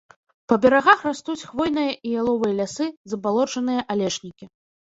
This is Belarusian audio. Па берагах растуць хвойныя і яловыя лясы, забалочаныя алешнікі.